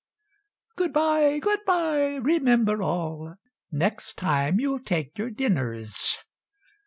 "Good bye! good bye! remember all, Next time you'll take your dinners!